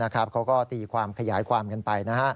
เขาก็ตีความขยายความกันไป